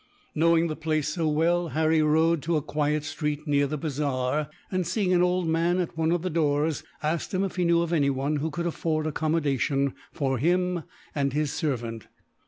Knowing the place so well, Harry rode to a quiet street near the bazaar and, seeing an old man at one of the doors, asked him if he knew of anyone who could afford accommodation for him and his servant.